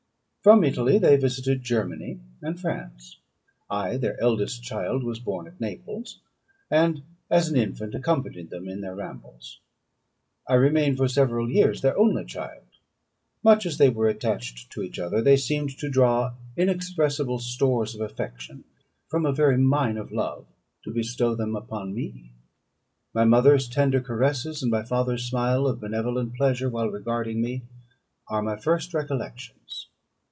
From Italy they visited Germany and France. I, their eldest child, was born at Naples, and as an infant accompanied them in their rambles. I remained for several years their only child. Much as they were attached to each other, they seemed to draw inexhaustible stores of affection from a very mine of love to bestow them upon me. My mother's tender caresses, and my father's smile of benevolent pleasure while regarding me, are my first recollections.